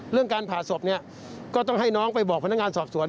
เรื่องการผ่าศพเนี่ยก็ต้องให้น้องไปบอกพนักงานสอบสวน